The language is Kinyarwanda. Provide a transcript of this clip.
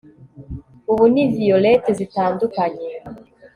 Ubu ni violet zitandukanye